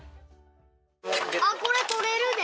あっこれ取れるで。